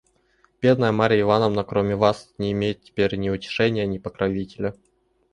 Бедная Марья Ивановна, кроме вас, не имеет теперь ни утешения, ни покровителя».